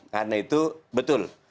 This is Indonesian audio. karena itu betul